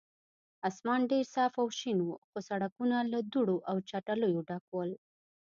اسمان ډېر صاف او شین و، خو سړکونه له دوړو او چټلیو ډک ول.